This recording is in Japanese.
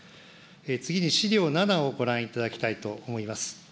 次に資料７をご覧いただきたいと思います。